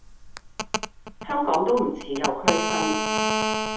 香港都唔似有區分